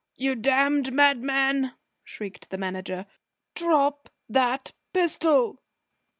"You damned madman!" shrieked the Manager. "Drop that pistol!"